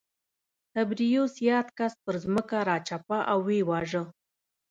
تبریوس یاد کس پر ځمکه راچپه او ویې واژه